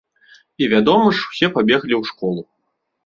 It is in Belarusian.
І вядома ж, усе пабеглі ў школу.